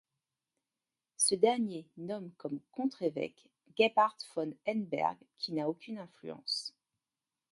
Ce dernier nomme comme contre-évêque Gebhard von Henneberg qui n'a aucune influence.